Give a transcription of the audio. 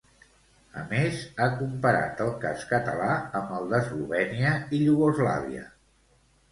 A més, ha comparat el cas català amb el d'Eslovènia i Iugoslàvia.